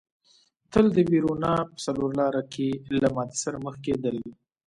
تل د وېرونا په څلور لاره کې له ماتې سره مخ کېدل.